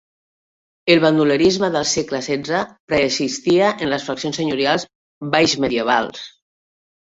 El bandolerisme del segle setze preexistia en les faccions senyorials baixmedievals.